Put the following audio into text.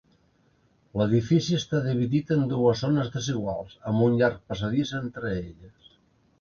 L'edifici està dividit en dues zones desiguals, amb un llarg passadís entre elles.